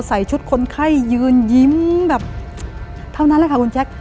ใส่ชุดคนไข้ยืนยิ้มแบบเท่านั้นแหละค่ะคุณแจ๊ค